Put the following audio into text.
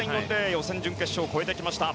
予選、準決勝を超えてきました。